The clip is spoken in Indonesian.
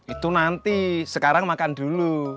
itu nanti sekarang makan dulu